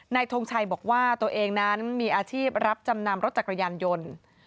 ทงชัยบอกว่าตัวเองนั้นมีอาชีพรับจำนำรถจักรยานยนต์